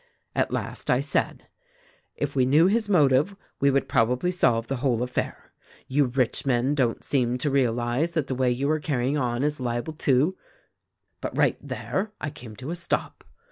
"At last I said, 'If we knew his motive we would prob ably solve the whole affair. You rich men don't seem to realize that the way you are carrying on is liable to ' "But right there I came to a stop.